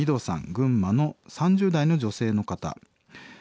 群馬の３０代の女性の方。